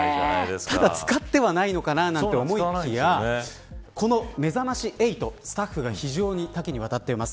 ただ、使ってはいないのかななんて思いきやこのめざまし８スタッフが非常に多岐にわたっています。